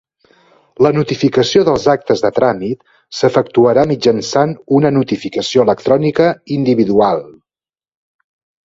La notificació dels actes de tràmit s'efectuarà mitjançant una notificació electrònica individual.